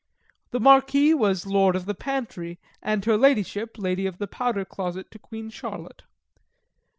The Marquis was Lord of the Pantry, and her Ladyship, Lady of the Powder Closet to Queen Charlotte.